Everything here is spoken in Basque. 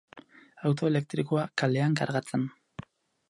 Auto elektrikoa, kalean kargatzen.